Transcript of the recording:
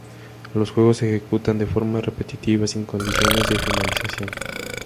Los juegos se ejecutan de forma repetitiva sin condiciones de finalización.